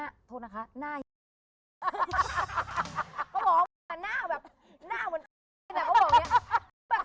เขาบอกว่าหน้าแบบหน้ามันแต่เขาบอกว่าอย่างนี้